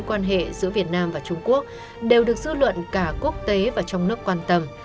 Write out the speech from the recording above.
quan hệ giữa việt nam và trung quốc đều được dư luận cả quốc tế và trong nước quan tâm